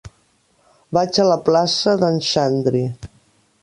Vaig a la plaça d'en Xandri.